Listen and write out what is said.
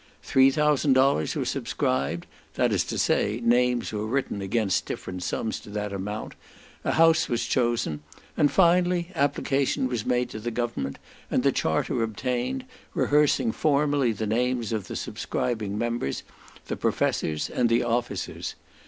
Three thousand dollars were subscribed, that is to say, names were written against different sums to that amount, a house was chosen, and finally, application was made to the government, and the charter obtained, rehearsing formally the names of the subscribing members, the professors, and the officers.